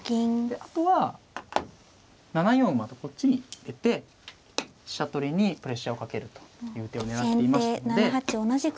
あとは７四馬とこっちに出て飛車取りにプレッシャーをかけるという手を狙っていましたので。